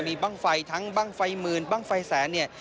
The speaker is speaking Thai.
มีบ้างไฟทั้งบ้างไฟหมื่นบ้างไฟแสนเนี่ย